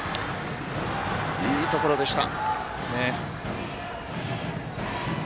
いいところでした。